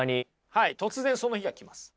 はい突然その日が来ます。